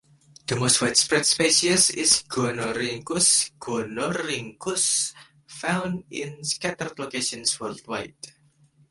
The most widespread species is "Gonorynchus gonorynchus", found in scattered locations worldwide.